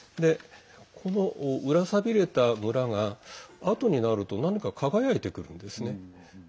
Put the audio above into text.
この、うら寂れた村があとになると何か輝いてくるんですね。